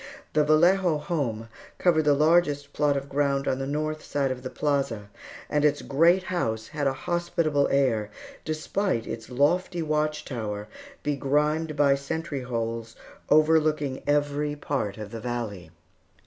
The Vallejo home covered the largest plot of ground on the north side of the plaza, and its great house had a hospitable air, despite its lofty watchtower, begrimed by sentry holes, overlooking every part of the valley.